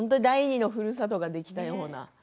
第二のふるさとができたような。